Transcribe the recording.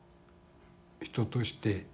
人として。